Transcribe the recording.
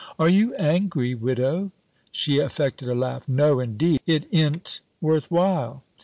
"Are you angry, Widow?" She affected a laugh: "No, indeed, it i'n't worth while."